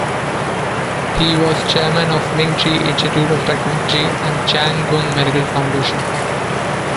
He was chairman of Ming-chi Institute of Technology, and Chang Gung Medical Foundation.